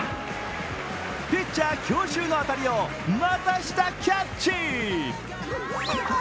ピッチャー強襲の当たりを股下キャッチ。